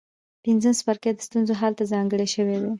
پنځم څپرکی د ستونزو حل ته ځانګړی شوی دی.